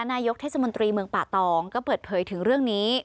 นายกเทศมนตรีเมืองป่าตองก็เปิดเผยถึงเรื่องนี้